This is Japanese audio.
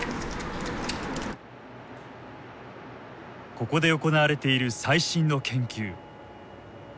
ここで行われている最新の研究。